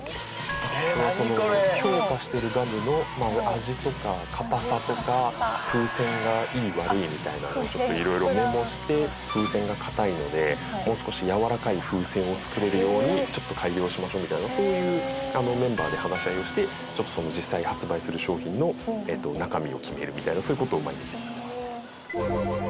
「これは評価してるガムの味とか硬さとか風船がいい悪いみたいなのをちょっと色々メモして風船が硬いのでもう少しやわらかい風船を作れるようにちょっと改良しましょうみたいなそういうメンバーで話し合いをして実際発売する商品の中身を決めるみたいなそういう事を毎日やってますね」